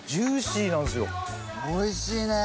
おいしいね。